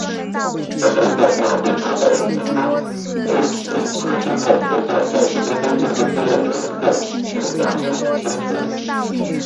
而如果在会考或其它的检查之后学校就直接将这些科目从课程表上删除。